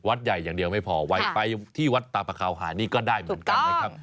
ไปวัดใหญ่อย่างเดียวไม่พอไปที่วัดตาปเช้าหายนี่ก็ได้เหมือนกัน